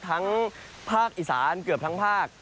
ภาคอีสานเกือบทั้งภาค